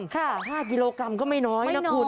๕กิโลกรัมก็ไม่น้อยนะคุณ